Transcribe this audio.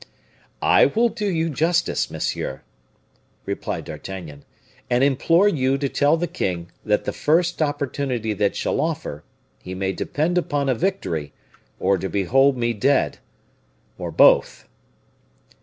"I will do you justice, monsieur," replied D'Artagnan, "and implore you to tell the king that the first opportunity that shall offer, he may depend upon a victory, or to behold me dead or both."